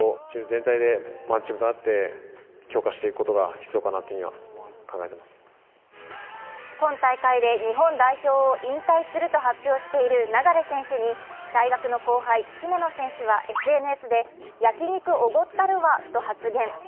キャプテンを務めた姫野選手は今大会で日本代表を引退すると発表している流選手に大学の後輩・姫野選手はＳＮＳで焼き肉おごったるわと発言。